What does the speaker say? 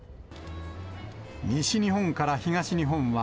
西日本から東日本は、